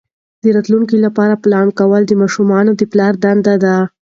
د راتلونکي لپاره پلان کول د ماشومانو د پلار دنده ده.